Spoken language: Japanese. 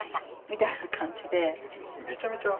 みたいな感じで。